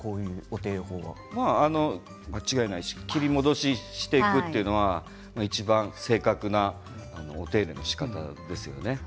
間違いないし切り戻ししていくというのはいちばん正確なお手入れのしかたですよね。